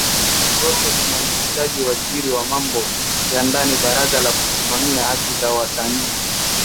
zote tunamuhitaji waziri wa mambo ya ndani baraza la kusimamia haki za wasanii